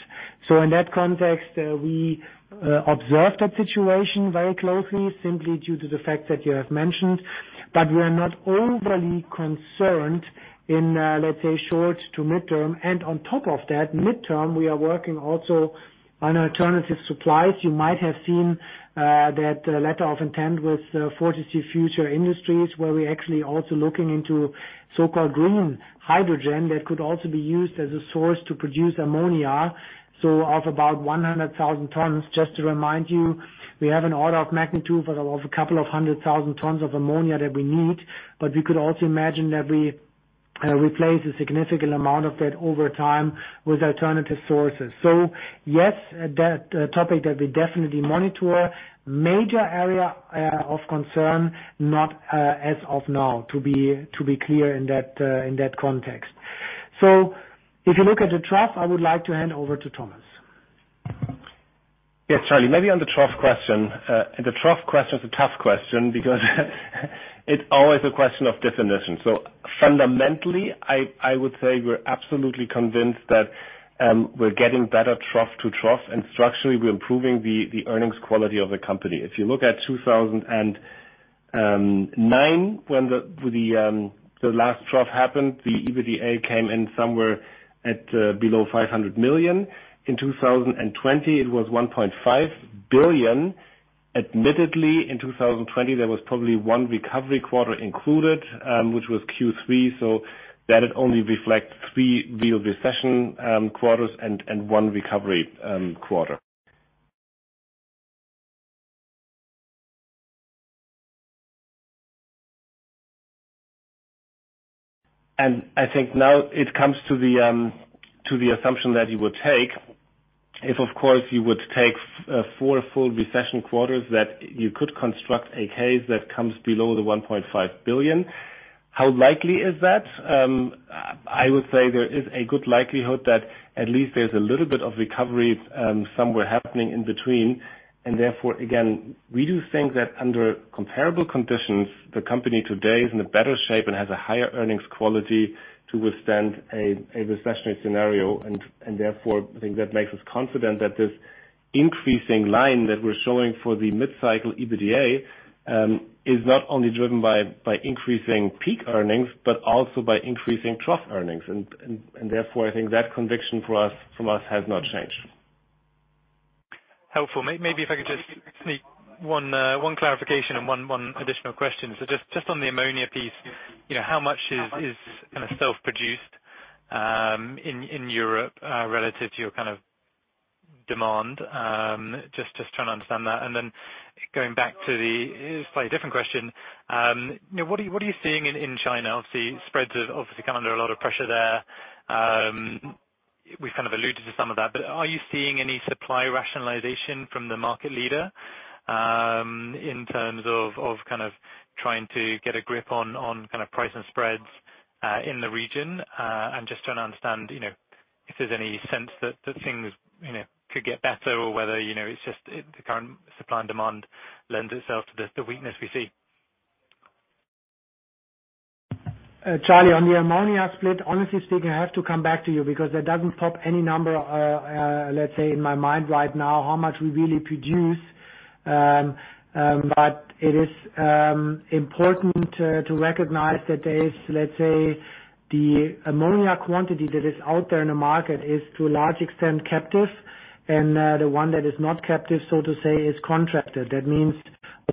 In that context, we observe that situation very closely simply due to the fact that you have mentioned, but we are not overly concerned in, let's say short to mid-term. On top of that mid-term, we are working also on alternative supplies. You might have seen that letter of intent with Fortescue Future Industries, where we're actually also looking into so-called green hydrogen that could also be used as a source to produce ammonia, so of about 100,000 tons. Just to remind you, we have an order of magnitude of a couple of 100,000 tons of ammonia that we need. We could also imagine that we replace a significant amount of that over time with alternative sources. Yes, that topic that we definitely monitor. Major area of concern, not as of now, to be clear in that context. If you look at the trough, I would like to hand over to Thomas. Yes, Charlie. Maybe on the trough question. The trough question is a tough question because it's always a question of definition. Fundamentally, I would say we're absolutely convinced that we're getting better trough to trough, and structurally, we're improving the earnings quality of the company. If you look at 2009 when the last trough happened, the EBITDA came in somewhere at below 500 million. In 2020, it was 1.5 billion. Admittedly, in 2020, there was probably one recovery quarter included, which was Q3. That it only reflects three real recession quarters and one recovery quarter. I think now it comes to the assumption that you would take if, of course, you would take four full recession quarters, that you could construct a case that comes below the 1.5 billion. How likely is that? I would say there is a good likelihood that at least there's a little bit of recovery, somewhere happening in between. Therefore, again, we do think that under comparable conditions, the company today is in a better shape and has a higher earnings quality to withstand a recessionary scenario. Therefore, I think that makes us confident that this increasing line that we're showing for the mid-cycle EBITDA is not only driven by increasing peak earnings, but also by increasing trough earnings. Therefore, I think that conviction from us has not changed. Helpful. Maybe if I could just sneak one clarification and one additional question. On the ammonia piece, you know, how much is kind of self-produced in Europe relative to your kind of demand? Just trying to understand that. Then going back to the slightly different question, you know, what are you seeing in China? Obviously, spreads have obviously come under a lot of pressure there. We've kind of alluded to some of that. Are you seeing any supply rationalization from the market leader in terms of kind of trying to get a grip on kind of price and spreads in the region? I'm just trying to understand, you know, if there's any sense that things, you know, could get better or whether, you know, it's just the current supply and demand lends itself to the weakness we see. Charlie, on the ammonia split, honestly speaking, I have to come back to you because that doesn't pop any number, let's say, in my mind right now, how much we really produce. It is important to recognize that there is, let's say, the ammonia quantity that is out there in the market is to a large extent captive. The one that is not captive, so to say, is contracted. That means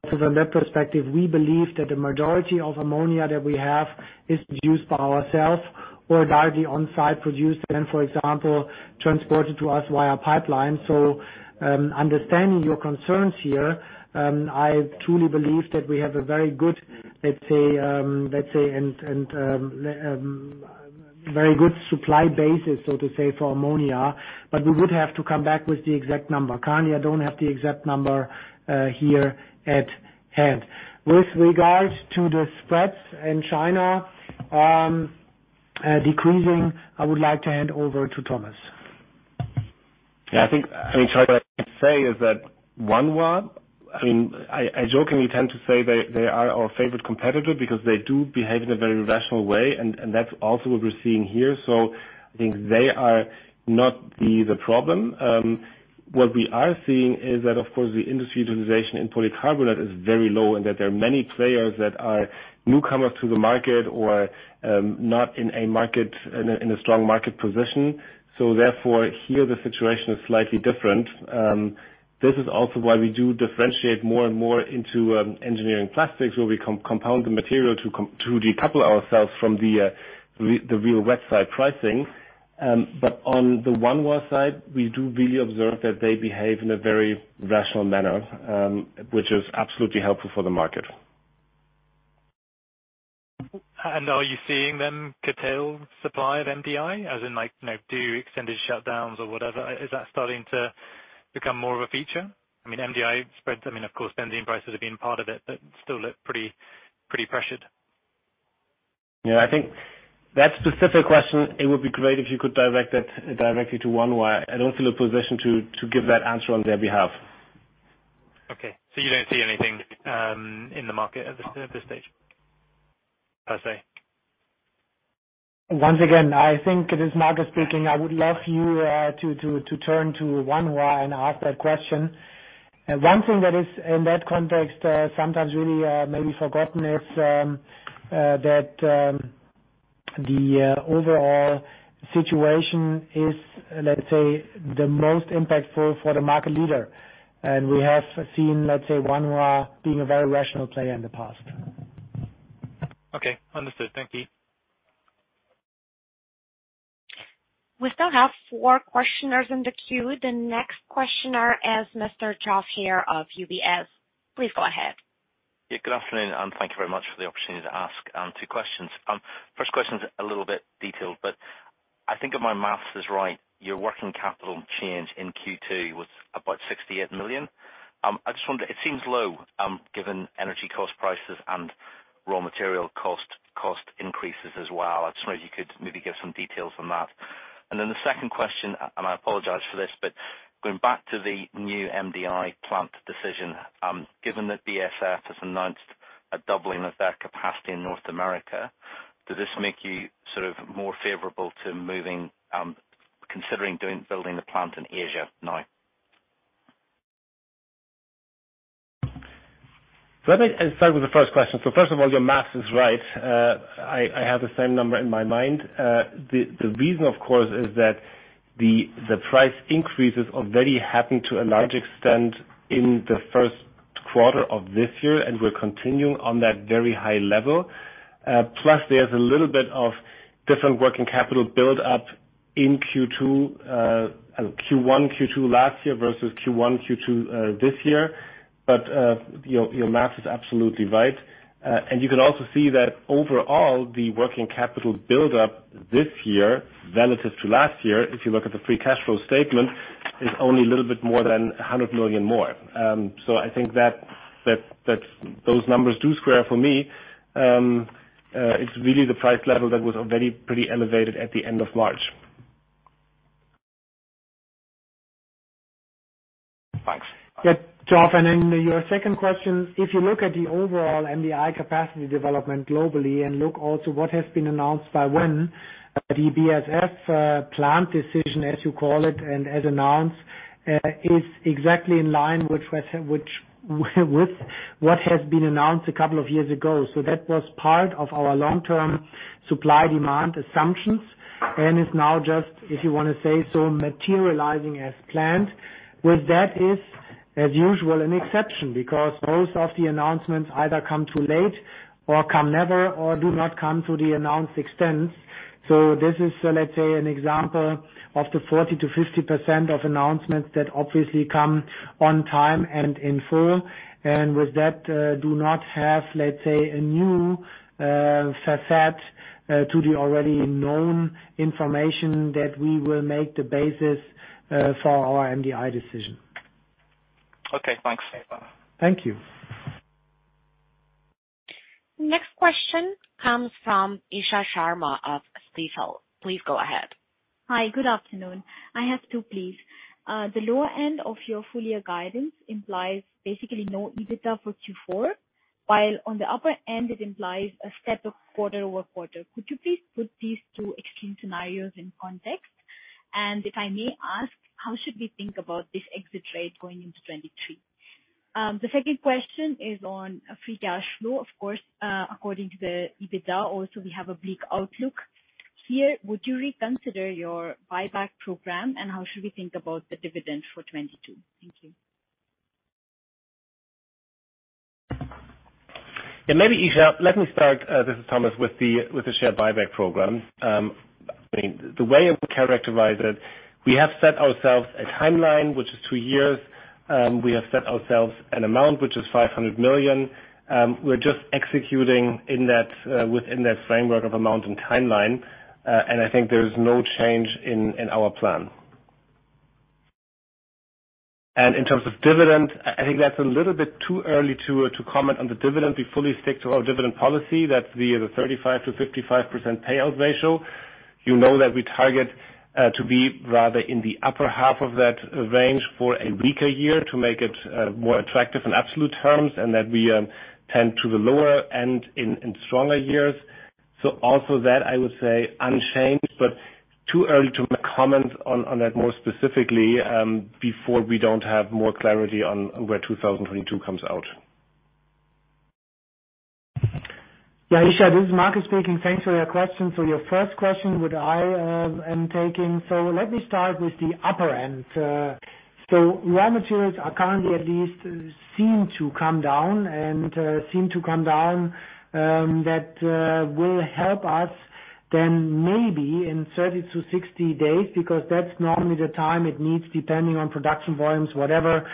also from that perspective, we believe that the majority of ammonia that we have is produced by ourselves or directly on-site produced, and for example, transported to us via pipeline. Understanding your concerns here, I truly believe that we have a very good, let's say, and very good supply basis, so to say, for ammonia. We would have to come back with the exact number. I don't have the exact number here at hand. With regards to the spreads in China decreasing, I would like to hand over to Thomas. Yeah, I think. I mean, Charlie, I'd say is that Wanhua, I mean, I jokingly tend to say they are our favorite competitor because they do behave in a very rational way, and that's also what we're seeing here. I think they are not the problem. What we are seeing is that, of course, the industry utilization in polycarbonate is very low, and that there are many players that are newcomers to the market or not in a strong market position. Therefore, here the situation is slightly different. This is also why we do differentiate more and more into Engineering Plastics, where we compound the material to decouple ourselves from the spot pricing. On the Wanhua side, we do really observe that they behave in a very rational manner, which is absolutely helpful for the market. Are you seeing them curtail supply of MDI as in, like, you know, do extended shutdowns or whatever? Is that starting to become more of a feature? I mean, MDI spreads, I mean, of course, benzene prices have been part of it, but still look pretty pressured. Yeah, I think that specific question. It would be great if you could direct it directly to Wanhua. I don't feel in a position to give that answer on their behalf. You don't see anything in the market at this stage, per se? Once again, I think it is Markus speaking. I would love you to turn to Wanhua and ask that question. One thing that is in that context, sometimes really maybe forgotten is that the overall situation is, let's say, the most impactful for the market leader. We have seen, let's say, Wanhua being a very rational player in the past. Okay. Understood. Thank you. We still have four questioners in the queue. The next questioner is Mr. Geoffrey Haire of UBS. Please go ahead. Yeah, good afternoon, and thank you very much for the opportunity to ask two questions. First question's a little bit detailed, but I think if my math is right, your working capital change in Q2 was about 68 million. I just wonder, it seems low, given energy cost prices and raw material cost increases as well. I just wonder if you could maybe give some details on that. Then the second question, and I apologize for this, but going back to the new MDI plant decision, given that BASF has announced a doubling of their capacity in North America, does this make you sort of more favorable to considering building the plant in Asia now? Let me start with the first question. First of all, your math is right. I have the same number in my mind. The reason, of course, is that the price increases already happened to a large extent in the first quarter of this year, and we're continuing on that very high level. Plus there's a little bit of different working capital build up in Q2, Q1, Q2 last year versus Q1, Q2 this year. Your math is absolutely right. And you can also see that overall, the working capital build up this year relative to last year, if you look at the free cash flow statement is only a little bit more than 100 million more. So I think that those numbers do square for me. It's really the price level that was already pretty elevated at the end of March. Thanks. Yeah, Geoff, and in your second question, if you look at the overall MDI capacity development globally and look also what has been announced by when, the BASF plant decision, as you call it and as announced, is exactly in line with what has been announced a couple of years ago. That was part of our long-term supply/demand assumptions and is now just, if you wanna say so, materializing as planned. With that is, as usual, an exception because most of the announcements either come too late or come never or do not come to the announced extent. This is, let's say, an example of the 40%-50% of announcements that obviously come on time and in full, and with that, do not have, let's say, a new facet to the already known information that we will make the basis for our MDI decision. Okay. Thanks, Markus. Thank you. Next question comes from Isha Sharma of Stifel. Please go ahead. Hi. Good afternoon. I have two, please. The lower end of your full year guidance implies basically no EBITDA for Q4, while on the upper end, it implies a step up quarter-over-quarter. Could you please put these two extreme scenarios in context? If I may ask, how should we think about this exit rate going into 2023? The second question is on free cash flow. Of course, according to the EBITDA, also we have a bleak outlook here. Would you reconsider your buyback program, and how should we think about the dividend for 2022? Thank you. Yeah, maybe, Isha, let me start, this is Thomas, with the share buyback program. I mean, the way I would characterize it, we have set ourselves a timeline, which is two years. We have set ourselves an amount, which is 500 million. We're just executing in that, within that framework of amount and timeline, and I think there's no change in our plan. In terms of dividend, I think that's a little bit too early to comment on the dividend. We fully stick to our dividend policy. That's the 35%-55% payout ratio. That we target to be rather in the upper half of that range for a weaker year to make it more attractive in absolute terms and that we tend to the lower end in stronger years. Also that I would say unchanged, but too early to comment on that more specifically before we don't have more clarity on where 2022 comes out. Yeah, Isha, this is Markus speaking. Thanks for your question. For your first question, which I am taking. Let me start with the upper end. Raw materials are currently at least seem to come down, that will help us then maybe in 30-60 days because that's normally the time it needs, depending on production volumes, whatever,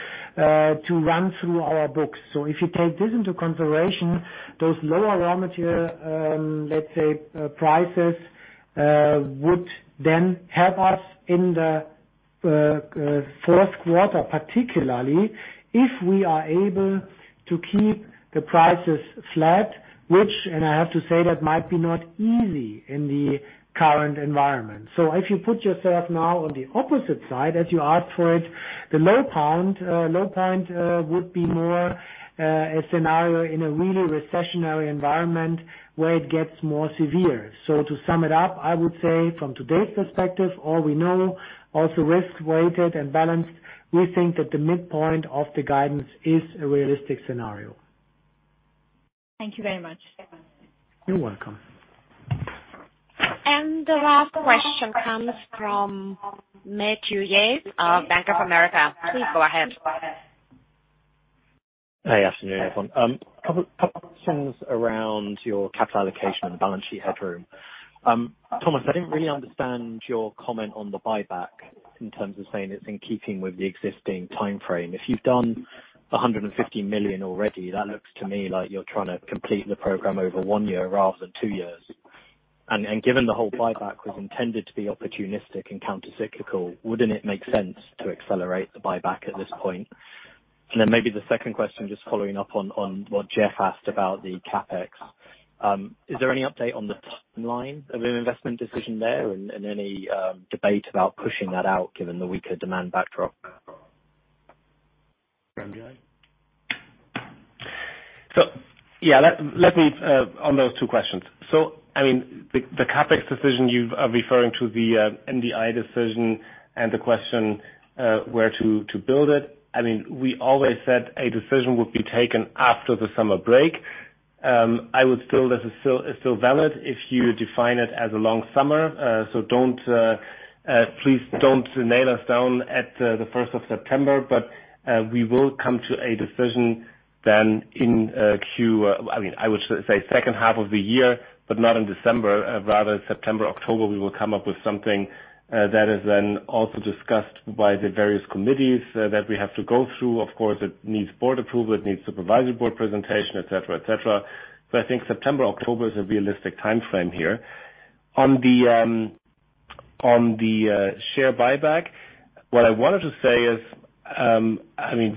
to run through our books. If you take this into consideration, those lower raw material, let's say, prices, would then help us in the fourth quarter, particularly if we are able to keep the prices flat, which, and I have to say that might be not easy in the current environment. If you put yourself now on the opposite side, as you asked for it, the low bound, low point, would be more of a scenario in a really recessionary environment where it gets more severe. To sum it up, I would say from today's perspective, all we know, also risk-weighted and balanced, we think that the midpoint of the guidance is a realistic scenario. Thank you very much. You're welcome. The last question comes from Matthew Yates of Bank of America. Please go ahead. Good afternoon, everyone. Couple questions around your capital allocation and balance sheet headroom. Thomas, I didn't really understand your comment on the buyback in terms of saying it's in keeping with the existing timeframe. If you've done 150 million already, that looks to me like you're trying to complete the program over one year rather than two years. Given the whole buyback was intended to be opportunistic and countercyclical, wouldn't it make sense to accelerate the buyback at this point? Maybe the second question, just following up on what Geoff asked about the CapEx. Is there any update on the timeline of an investment decision there and any debate about pushing that out given the weaker demand backdrop? MDI? Yeah, let me on those two questions. I mean, the CapEx decision you are referring to, the MDI decision and the question where to build it. I mean, we always said a decision would be taken after the summer break. This is still valid if you define it as a long summer. Please don't nail us down at the first of September, but we will come to a decision then, I mean, I would say second half of the year, but not in December. Rather September, October, we will come up with something that is then also discussed by the various committees that we have to go through. Of course, it needs board approval, it needs supervisory board presentation, et cetera, etc. I think September, October is a realistic timeframe here. On the share buyback, what I wanted to say is,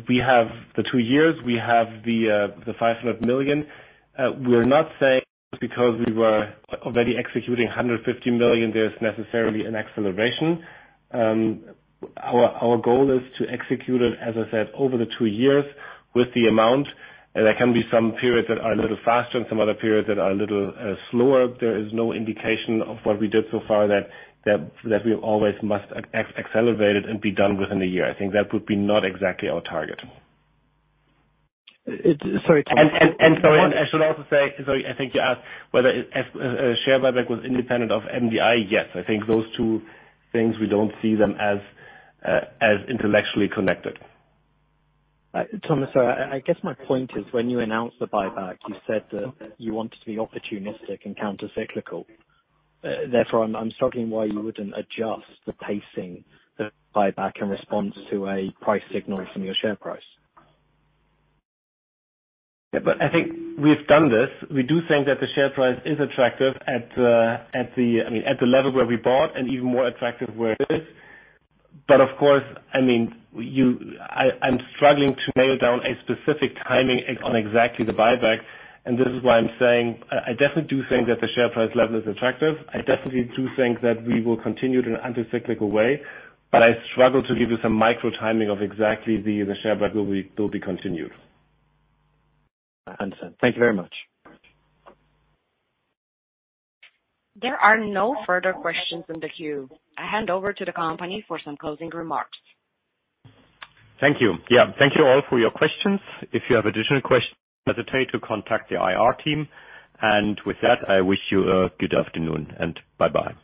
we have the two years, we have the 500 million. We're not saying because we were already executing a 150 million, there's necessarily an acceleration. Our goal is to execute it, as I said, over the two years with the amount. There can be some periods that are a little faster and some other periods that are a little slower. There is no indication of what we did so far that we always must accelerate it and be done within a year. I think that would be not exactly our target. Sorry, I should also say, sorry, I think you asked whether a share buyback was independent of MDI. Yes. I think those two things, we don't see them as intellectually connected. Thomas, I guess my point is when you announced the buyback, you said that you want to be opportunistic and countercyclical. Therefore, I'm struggling why you wouldn't adjust the pacing the buyback in response to a price signal from your share price. Yeah. I think we've done this. We do think that the share price is attractive at the, I mean, at the level where we bought and even more attractive where it is. Of course, I mean, I'm struggling to nail down a specific timing on exactly the buyback, and this is why I'm saying I definitely do think that the share price level is attractive. I definitely do think that we will continue in an anti-cyclical way, but I struggle to give you some micro timing of exactly the share buyback will be continued. Understood. Thank you very much. There are no further questions in the queue. I hand over to the company for some closing remarks. Thank you. Yeah. Thank you all for your questions. If you have additional questions, don't hesitate to contact the IR team. With that, I wish you a good afternoon and bye-bye.